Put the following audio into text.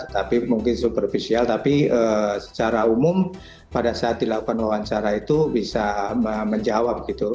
tapi mungkin supervisial tapi secara umum pada saat dilakukan wawancara itu bisa menjawab gitu